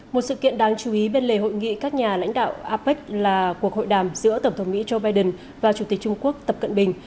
một sự kiện đáng chú ý bên lề hội nghị các nhà lãnh đạo apec là cuộc hội đàm giữa tổng thống mỹ joe biden và chủ tịch trung quốc tập cận bình